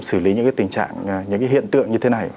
xử lý những tình trạng những hiện tượng như thế này